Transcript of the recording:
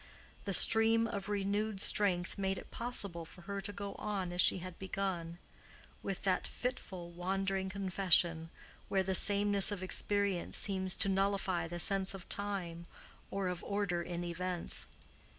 The stream of renewed strength made it possible for her to go on as she had begun—with that fitful, wandering confession where the sameness of experience seems to nullify the sense of time or of order in events.